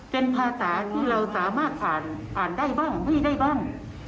เป็นภาษาที่เราสามารถอ่านผ่านได้บ้างไม่ได้บ้าง